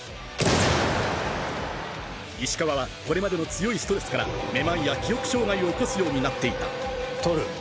石川はこれまでの強いストレスからめまいや記憶障害を起こすようになっていた透。